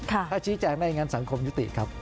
ถ้าชี้แจงได้อย่างนั้นสังคมยุติครับ